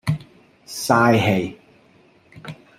嘥氣